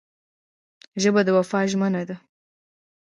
ژبه د وفا ژمنه ده